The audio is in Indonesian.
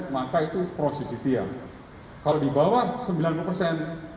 bahwa hasil poligraf itu adalah pro ccta